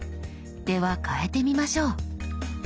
では変えてみましょう。